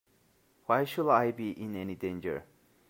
Why should I be in any danger?